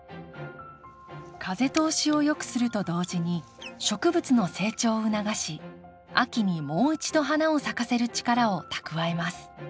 風通しをよくすると同時に植物の成長を促し秋にもう一度花を咲かせる力を蓄えます。